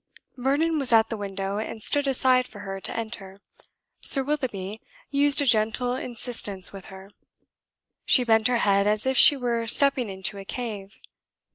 Vernon was at the window and stood aside for her to enter. Sir Willoughby used a gentle insistence with her. She bent her head as if she were stepping into a cave.